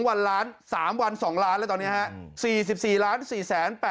วันล้าน๓วัน๒ล้านแล้วตอนนี้ฮะ